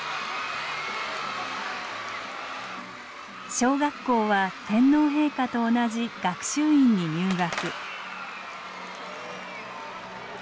小学校は天皇陛下と同じ学習院に入学。